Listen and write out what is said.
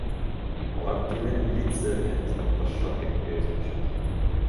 Алар тигилер милиция менен кызматташышат деп эсептешет.